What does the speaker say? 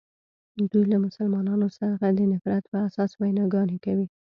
دوی له مسلمانانو څخه د نفرت په اساس ویناګانې کوي.